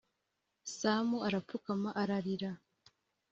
sam arapfukama ararira.